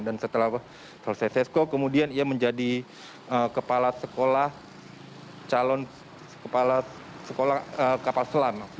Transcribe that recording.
dan setelah selesai sesko kemudian ia menjadi kepala sekolah kapal selam